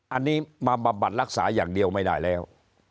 อันนี้มาบำบัดรักษาอย่างเดียวไม่ได้แล้ว